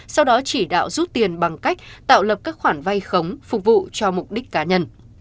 sau đó chỉ đạo rút tiền bằng cách tạo lập các khoản vay khống phục vụ cho mục đích cá nhân